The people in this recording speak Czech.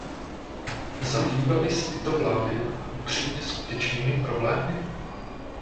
Zabývaly se tyto vlády upřímně skutečnými problémy?